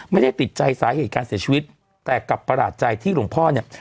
ไม่ได้ติดใจสาเหตุการเสียชีวิตแต่กลับประหลาดใจที่หลวงพ่อเนี่ย